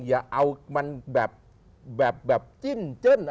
อย่าเอามันแบบแบบแบบจิ้นจึ้น